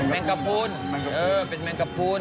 แมงกระพุนเป็นแมงกระพุน